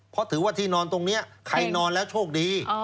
เพราะถือว่าที่นอนตรงนี้ใครนอนแล้วโชคดี